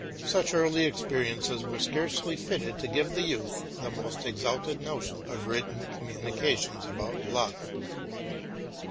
Such early experiences were scarcely fitted to give the youth the most exalted notion of written communications about love.